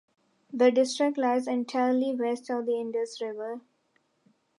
The district lies entirely west of the Indus River.